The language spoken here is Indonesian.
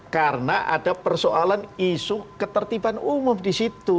karena ada persoalan isu ketertiban umum disitu